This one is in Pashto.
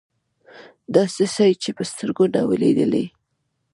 څه دې چې په سترګو نه وي لیدلي.